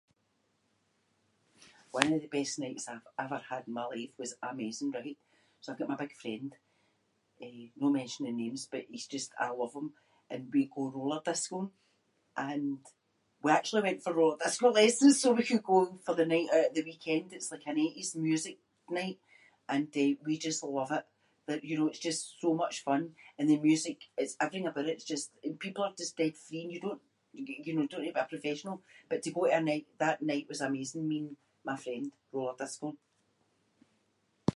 One of the best nights I've ever had in my life was amazing, right. So I’ve got my big friend eh, no mentioning names, but he’s just- I love him and we go roller discoing. And we actually went for roller disco lessons so we could go for the night oot at the weekend, it’s like an eighties music night. And eh we just love it that, you know, it’s just so much fun and the music, it’s everything aboot it, it’s just- and people are just dead freeing. You don’t, y-y-you know, you don’t need to be a professional but to go to a night- that night was amazing, me and my friend roller discoing.